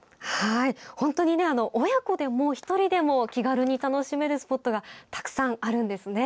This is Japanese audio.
本当に親子でも１人でも気軽に楽しめるスポットがたくさんあるんですね。